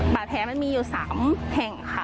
ปากแท้มีอยู่๓แห่งค่ะ